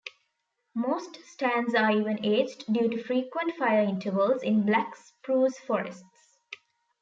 Most stands are even-aged due to frequent fire intervals in black spruce forests.